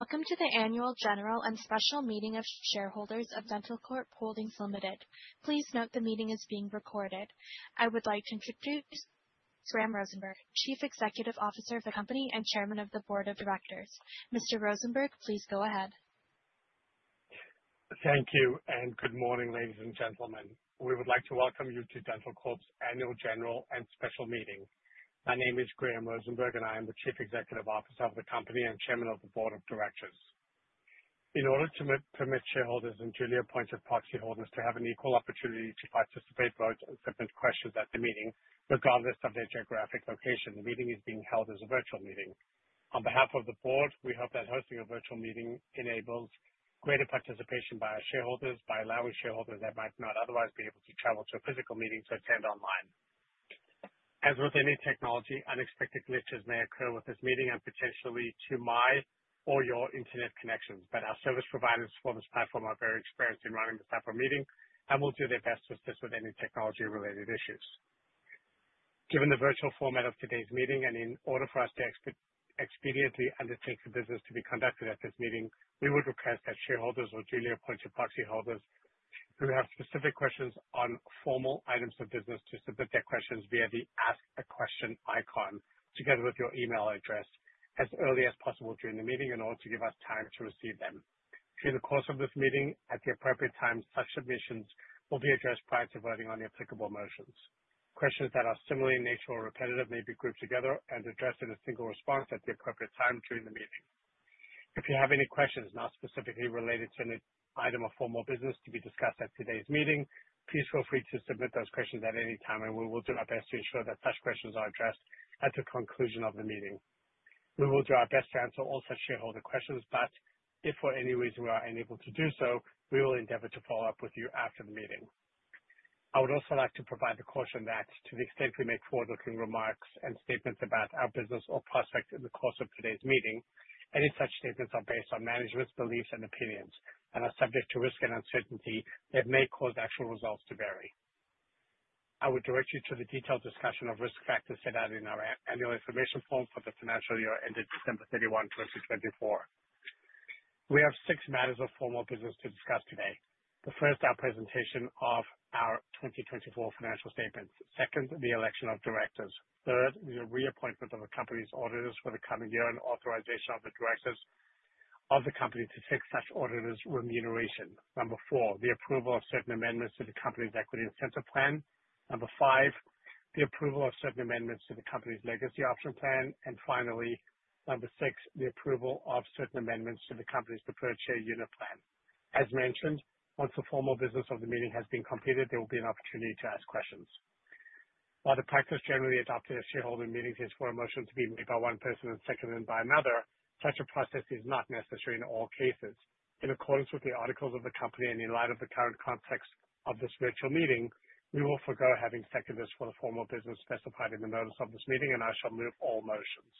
Welcome to the annual general and special meeting of shareholders of dentalcorp Holdings Ltd. Please note the meeting is being recorded. I would like to introduce Graham Rosenberg, Chief Executive Officer of the company and Chairman of the Board of Directors. Mr. Rosenberg, please go ahead. Thank you. Good morning, ladies and gentlemen. We would like to welcome you to dentalcorp's annual general and special meeting. My name is Graham Rosenberg. I am the Chief Executive Officer of the company and Chairman of the Board of Directors. In order to permit shareholders and duly appointed proxy holders to have an equal opportunity to participate, vote, and submit questions at the meeting, regardless of their geographic location, the meeting is being held as a virtual meeting. On behalf of the board, we hope that hosting a virtual meeting enables greater participation by our shareholders by allowing shareholders that might not otherwise be able to travel to a physical meeting to attend online. As with any technology, unexpected glitches may occur with this meeting and potentially to my or your internet connections. Our service providers for this platform are very experienced in running this type of meeting and will do their best to assist with any technology-related issues. Given the virtual format of today's meeting, and in order for us to expediently undertake the business to be conducted at this meeting, we would request that shareholders or duly appointed proxy holders who have specific questions on formal items of business to submit their questions via the Ask a Question icon, together with your email address, as early as possible during the meeting in order to give us time to receive them. Through the course of this meeting, at the appropriate time, such submissions will be addressed prior to voting on the applicable motions. Questions that are similar in nature or repetitive may be grouped together and addressed in a single response at the appropriate time during the meeting. If you have any questions not specifically related to any item of formal business to be discussed at today's meeting, please feel free to submit those questions at any time, and we will do our best to ensure that such questions are addressed at the conclusion of the meeting. We will do our best to answer all such shareholder questions, but if for any reason we are unable to do so, we will endeavor to follow up with you after the meeting. I would also like to provide the caution that to the extent we make forward-looking remarks and statements about our business or prospects in the course of today's meeting, any such statements are based on management's beliefs and opinions and are subject to risk and uncertainty that may cause actual results to vary. I would direct you to the detailed discussion of risk factors set out in our annual information form for the financial year ended December 31, 2024. We have six matters of formal business to discuss today. The first, our presentation of our 2024 financial statements. Second, the election of directors. Third is the reappointment of the company's auditors for the coming year and authorization of the directors of the company to fix such auditors' remuneration. Number four, the approval of certain amendments to the company's equity incentive plan. Number five, the approval of certain amendments to the company's legacy option plan. Finally, number six, the approval of certain amendments to the company's deferred share unit plan. As mentioned, once the formal business of the meeting has been completed, there will be an opportunity to ask questions. While the practice generally adopted at shareholder meetings is for a motion to be made by one person and seconded by another, such a process is not necessary in all cases. In accordance with the articles of the company and in light of the current context of this virtual meeting, we will forego having seconders for the formal business specified in the notice of this meeting, and I shall move all motions.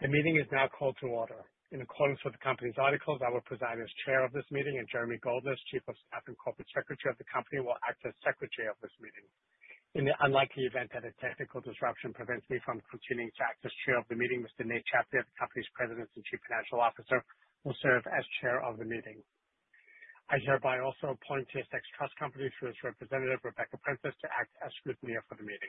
The meeting is now called to order. In accordance with the company's articles, I will preside as Chair of this meeting, and Jeremy Goldlist, Chief of Staff and Corporate Secretary of the company, will act as Secretary of this meeting. In the unlikely event that a technical disruption prevents me from continuing to act as Chair of the meeting, Mr. Nate Tchaplia, the company's President and Chief Financial Officer, will serve as Chair of the meeting. I hereby also appoint TSX Trust Company through its representative, Rebecca Prentice, to act as scrutineer for the meeting.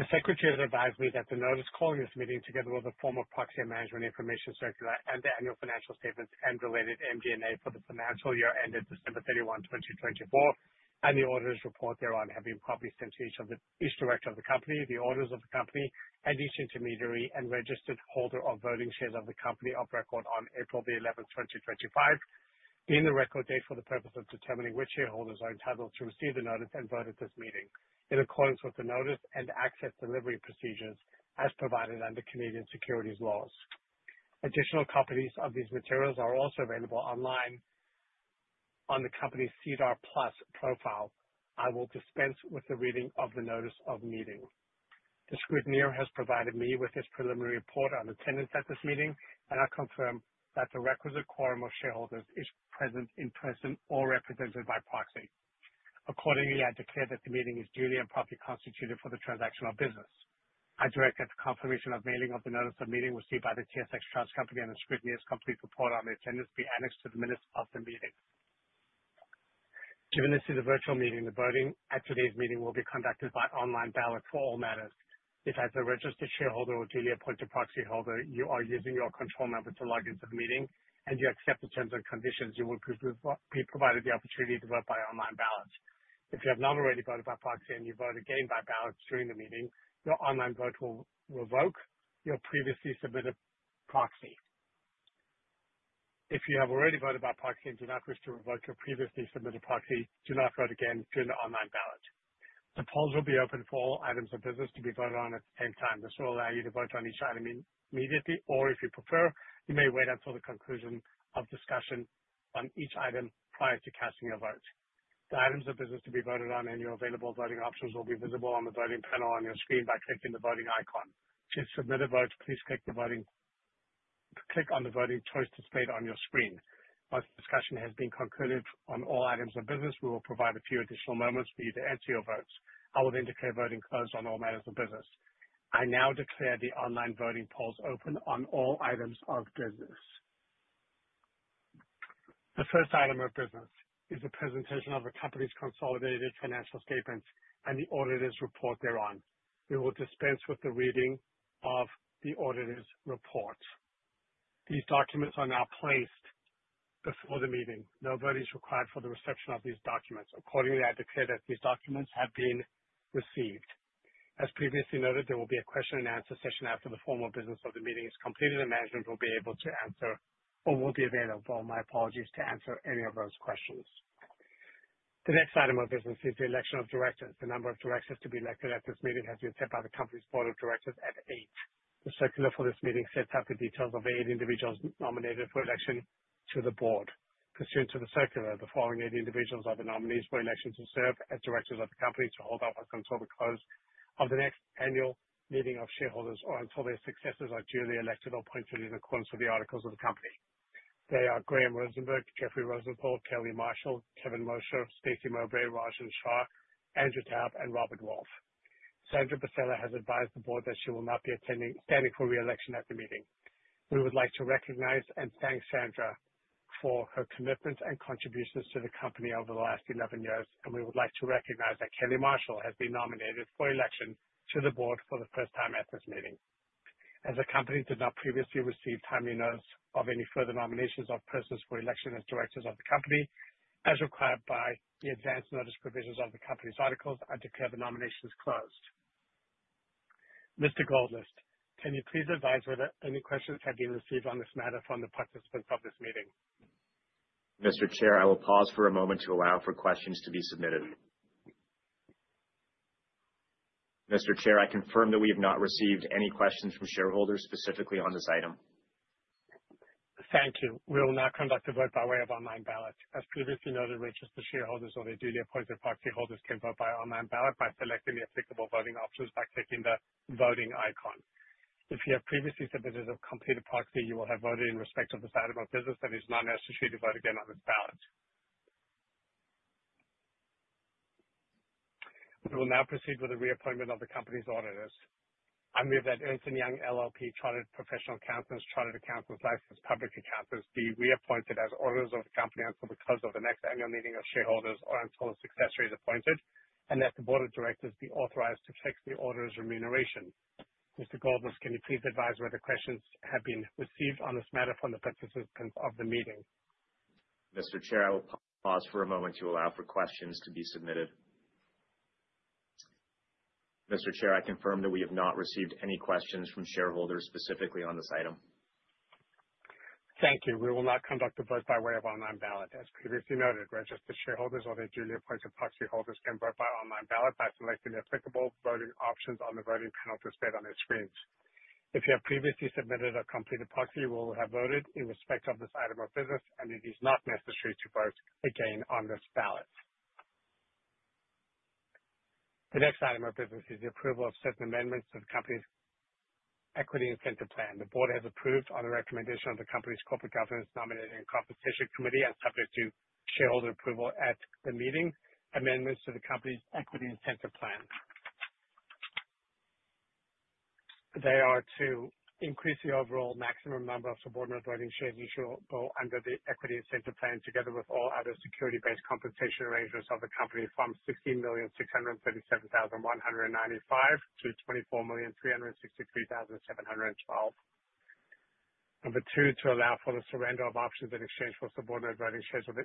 The Secretary has advised me that the notice calling this meeting, together with the form of proxy and management information circular and the annual financial statements and related MD&A for the financial year ended December 31, 2024, and the auditor's report thereon, have been properly sent to each director of the company, the auditors of the company, and each intermediary and registered holder of voting shares of the company of record on April 11, 2025, being the record date for the purpose of determining which shareholders are entitled to receive the notice and vote at this meeting in accordance with the notice and access delivery procedures as provided under Canadian securities laws. Additional copies of these materials are also available online on the company's SEDAR+ profile. I will dispense with the reading of the notice of meeting. The scrutineer has provided me with his preliminary report on attendance at this meeting, and I confirm that the requisite quorum of shareholders is present in person or represented by proxy. Accordingly, I declare that the meeting is duly and properly constituted for the transaction of business. I direct that the confirmation of mailing of the notice of meeting received by the TSX Trust Company and the scrutineer's complete report on the attendance be annexed to the minutes of the meeting. Given this is a virtual meeting, the voting at today's meeting will be conducted by online ballot for all matters. If, as a registered shareholder or duly appointed proxyholder, you are using your control number to log into the meeting and you accept the terms and conditions, you will be provided the opportunity to vote by online ballot. If you have not already voted by proxy and you vote again by ballot during the meeting, your online vote will revoke your previously submitted proxy. If you have already voted by proxy and do not wish to revoke your previously submitted proxy, do not vote again during the online ballot. The polls will be open for all items of business to be voted on at the same time. This will allow you to vote on each item immediately, or if you prefer, you may wait until the conclusion of discussion on each item prior to casting your vote. The items of business to be voted on and your available voting options will be visible on the voting panel on your screen by clicking the voting icon. To submit a vote, please click on the voting choice displayed on your screen. Once discussion has been concluded on all items of business, we will provide a few additional moments for you to enter your votes. I will then declare voting closed on all matters of business. I now declare the online voting polls open on all items of business. The first item of business is a presentation of the company's consolidated financial statements and the auditor's report thereon. We will dispense with the reading of the auditor's report. These documents are now placed before the meeting. No vote is required for the reception of these documents. Accordingly, I declare that these documents have been received. As previously noted, there will be a question and answer session after the formal business of the meeting is completed, and management will be available, my apologies, to answer any of those questions. The next item of business is the election of directors. The number of directors to be elected at this meeting has been set by the company's board of directors at eight. The circular for this meeting sets out the details of the eight individuals nominated for election to the board. Pursuant to the circular, the following eight individuals are the nominees for election to serve as directors of the company, to hold office until the close of the next annual meeting of shareholders or until their successors are duly elected or appointed in accordance with the articles of the company. They are Graham Rosenberg, Jeffrey Rosenthal, Kelly Marshall, Kevin Mosher, Stacey Mowbray, Rajan Shah, Andrew Taub, and Robert Wolf. Sandra Bosela has advised the board that she will not be standing for re-election at the meeting. We would like to recognize and thank Sandra for her commitment and contributions to the company over the last 11 years, and we would like to recognize that Kelly Marshall has been nominated for election to the Board for the first time at this meeting. As the company did not previously receive timely notice of any further nominations of persons for election as directors of the company, as required by the advance notice provisions of the company's articles, I declare the nominations closed. Mr. Goldlist, can you please advise whether any questions have been received on this matter from the participants of this meeting? Mr. Chair, I will pause for a moment to allow for questions to be submitted. Mr. Chair, I confirm that we have not received any questions from shareholders specifically on this item. Thank you. We will now conduct a vote by way of online ballot. As previously noted, registered shareholders or their duly appointed proxy holders can vote by online ballot by selecting the applicable voting options by clicking the voting icon. If you have previously submitted a completed proxy, you will have voted in respect of this item of business and it's not necessary to vote again on this ballot. We will now proceed with the reappointment of the company's auditors. I move that Ernst & Young LLP, Chartered Professional Accountants, Chartered Accountants, Licensed Public Accountants, be reappointed as auditors of the company until the close of the next annual meeting of shareholders or until a successor is appointed, and that the board of directors be authorized to fix the auditor's remuneration. Mr. Goldlist, can you please advise whether questions have been received on this matter from the participants of the meeting? Mr. Chair, I will pause for a moment to allow for questions to be submitted. Mr. Chair, I confirm that we have not received any questions from shareholders specifically on this item. Thank you. We will now conduct a vote by way of online ballot. As previously noted, registered shareholders or their duly appointed proxy holders can vote by online ballot by selecting the applicable voting options on the voting panel displayed on their screens. If you have previously submitted a completed proxy, you will have voted in respect of this item of business, and it is not necessary to vote again on this ballot. The next item of business is the approval of certain amendments to the company's equity incentive plan. The board has approved on the recommendation of the company's corporate governance nominating and compensation committee, and subject to shareholder approval at the meeting, amendments to the company's equity incentive plan. They are to increase the overall maximum number of subordinate voting shares issued under the equity incentive plan, together with all other security-based compensation arrangements of the company from 16,637,195 to 24,363,712. Number two, to allow for the surrender of options in exchange for subordinate voting shares of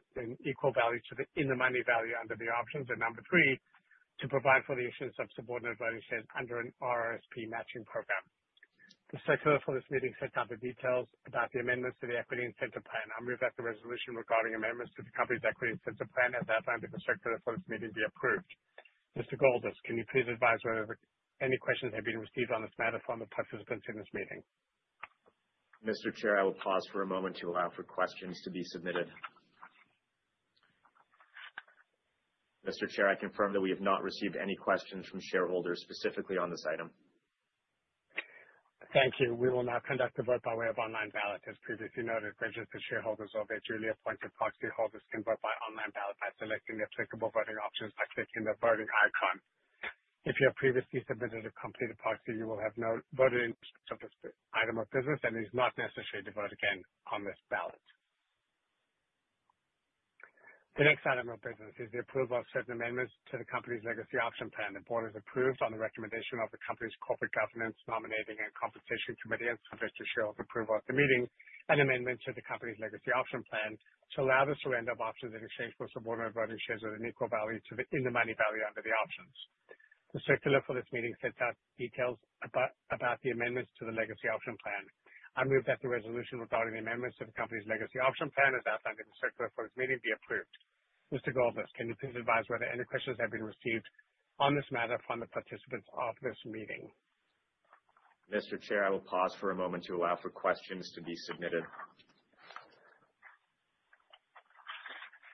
equal value to the in-the-money value under the options. Number three, to provide for the issuance of subordinate voting shares under an RRSP matching program. The circular for this meeting sets out the details about the amendments to the equity incentive plan. I move that the resolution regarding amendments to the company's equity incentive plan, as outlined in the circular for this meeting, be approved. Mr. Goldlist, can you please advise whether any questions have been received on this matter from the participants in this meeting? Mr. Chair, I will pause for a moment to allow for questions to be submitted. Mr. Chair, I confirm that we have not received any questions from shareholders specifically on this item. Thank you. We will now conduct a vote by way of online ballot. As previously noted, registered shareholders or their duly appointed proxy holders can vote by online ballot by selecting the applicable voting options by clicking the voting icon. If you have previously submitted a completed proxy, you will have voted in respect of this item of business, and it is not necessary to vote again on this ballot. The next item of business is the approval of certain amendments to the company's legacy option plan. The board has approved on the recommendation of the company's corporate governance nominating and compensation committee, and subject to shareholder approval at the meeting, an amendment to the company's legacy option plan to allow the surrender of options in exchange for subordinate voting shares at an equal value to the in-the-money value under the options. The circular for this meeting sets out details about the amendments to the legacy option plan. I move that the resolution regarding the amendments to the company's legacy option plan, as outlined in the circular for this meeting, be approved. Mr. Goldlist, can you please advise whether any questions have been received on this matter from the participants of this meeting? Mr. Chair, I will pause for a moment to allow for questions to be submitted.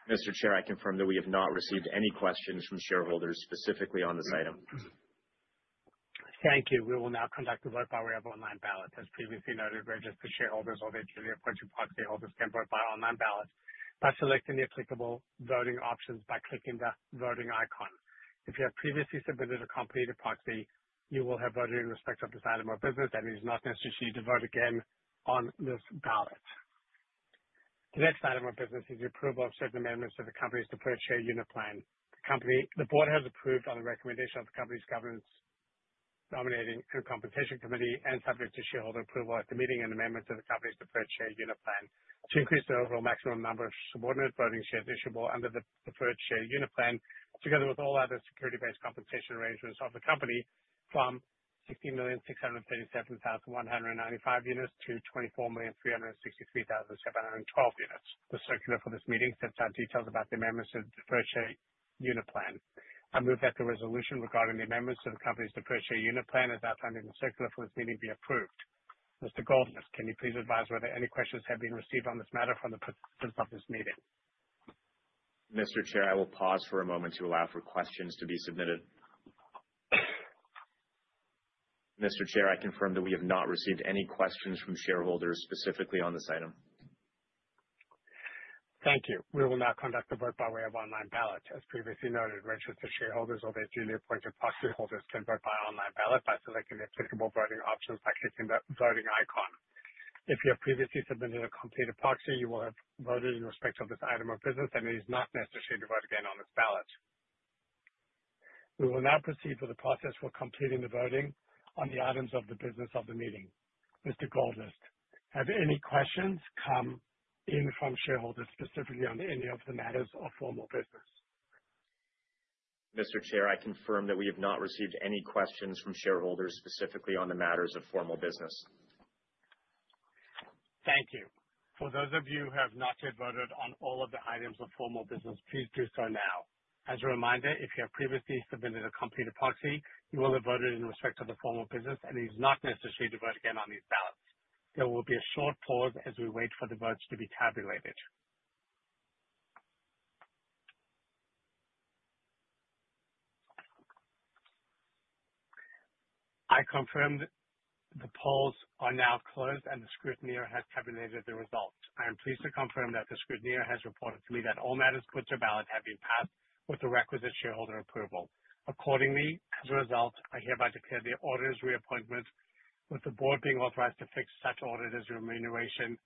Mr. Chair, I confirm that we have not received any questions from shareholders specifically on this item. Thank you. We will now conduct a vote by way of online ballot. As previously noted, registered shareholders or their duly appointed proxy holders can vote by online ballot by selecting the applicable voting options by clicking the voting icon. If you have previously submitted a completed proxy, you will have voted in respect of this item of business and it is not necessary to vote again on this ballot. The next item of business is the approval of certain amendments to the company's deferred share unit plan. The board has approved on the recommendation of the company's governance nominating and compensation committee, and subject to shareholder approval at the meeting, an amendment to the company's deferred share unit plan to increase the overall maximum number of subordinate voting shares issuable under the deferred share unit plan, together with all other security-based compensation arrangements of the company from 16,637,195 units to 24,363,712 units. The circular for this meeting sets out details about the amendments to the deferred share unit plan. I move that the resolution regarding the amendments to the company's deferred share unit plan as outlined in the circular for this meeting be approved. Mr. Goldlist, can you please advise whether any questions have been received on this matter from the participants of this meeting? Mr. Chair, I will pause for a moment to allow for questions to be submitted. Mr. Chair, I confirm that we have not received any questions from shareholders specifically on this item. Thank you. We will now conduct the vote by way of online ballot. As previously noted, registered shareholders or their duly appointed proxy holders can vote by online ballot by selecting the applicable voting options by clicking the voting icon. If you have previously submitted a completed proxy, you will have voted in respect of this item of business, and it is not necessary to vote again on this ballot. We will now proceed with the process for completing the voting on the items of the business of the meeting. Mr. Goldlist, have any questions come in from shareholders specifically on any of the matters of formal business? Mr. Chair, I confirm that we have not received any questions from shareholders specifically on the matters of formal business. Thank you. For those of you who have not yet voted on all of the items of formal business, please do so now. As a reminder, if you have previously submitted a completed proxy, you will have voted in respect of the formal business and it is not necessary to vote again on these ballots. There will be a short pause as we wait for the votes to be tabulated. I confirm the polls are now closed, and the scrutineer has tabulated the results. I am pleased to confirm that the scrutineer has reported to me that all matters put to ballot have been passed with the requisite shareholder approval. Accordingly, as a result, I hereby declare the auditor's reappointment, with the board being authorized to fix such auditor's remuneration,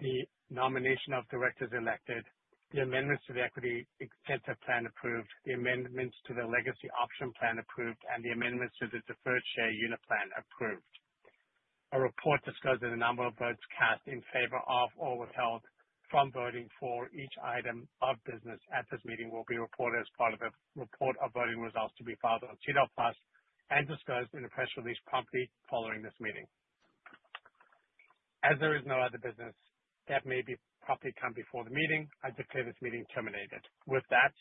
the nomination of directors elected, the amendments to the equity incentive plan approved, the amendments to the legacy option plan approved, and the amendments to the deferred share unit plan approved. A report disclosing the number of votes cast in favor of or withheld from voting for each item of business at this meeting will be reported as part of a report of voting results to be filed on SEDAR+ and disclosed in a press release promptly following this meeting. As there is no other business that may be properly come before the meeting, I declare this meeting terminated. With that,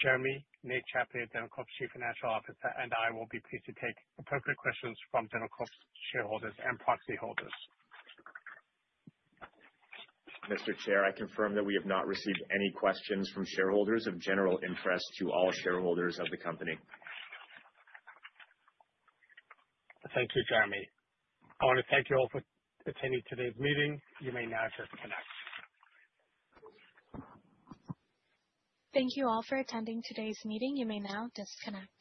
Jeremy, Nate Tchaplia, dentalcorp's Chief Financial Officer, and I will be pleased to take appropriate questions from dentalcorp's shareholders and proxy holders. Mr. Chair, I confirm that we have not received any questions from shareholders of general interest to all shareholders of the company. Thank you, Jeremy. I want to thank you all for attending today's meeting. You may now disconnect. Thank you all for attending today's meeting. You may now disconnect.